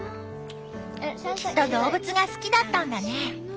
きっと動物が好きだったんだね。